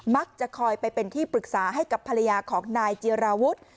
มักจะคอยไปเป็นที่ปรึกษาให้กับภรรยาของนายจิราวุฒิ